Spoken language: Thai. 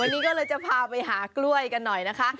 วันนี้ก็เลยจะพาไปหากล้วยกันหน่อยนะคะ